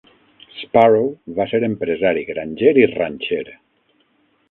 Sparrow va ser empresari, granger i ranxer.